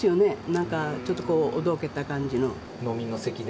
なんかちょっとおどけた感じの。